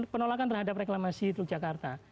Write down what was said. penolakan terhadap reklamasi teluk jakarta